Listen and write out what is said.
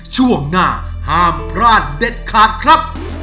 ช่วงหน้าห้ามพลาดเด็ดขาดครับ